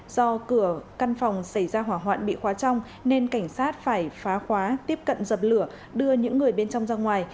do cửa căn phòng xảy ra hỏa hoạn bị khóa trong nên cảnh sát phải phá khóa tiếp cận dập lửa đưa những người bên trong ra ngoài